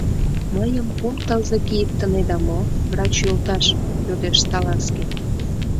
— Мыйым кум тылзе кийыктынеда мо, врач йолташ? — йодеш Салазкин.